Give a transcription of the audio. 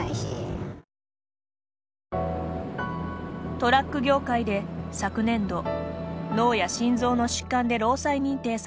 トラック業界で昨年度脳や心臓の疾患で労災認定されたのは５６件。